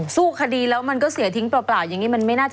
สู้คดีแล้วมันก็เสียทิ้งเปล่าอย่างนี้มันไม่น่าจะ